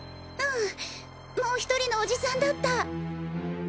うんもう１人のおじさんだった。